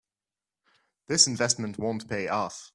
This investment won't pay off.